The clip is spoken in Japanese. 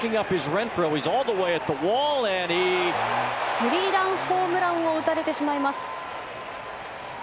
スリーランホームランを打たれてしまいます。